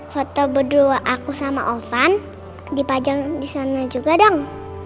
foto berdua aku sama ovan dipajang di sana juga dong